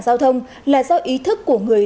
giao thông là do ý thức của người